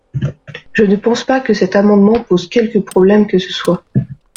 Je ne pense pas que cet amendement pose quelque problème que ce soit.